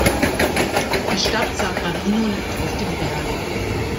Die Stadt San Marino liegt auf dem Berg.